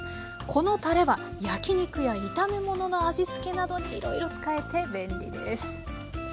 このたれは焼き肉や炒め物の味付けなどにいろいろ使えて便利です。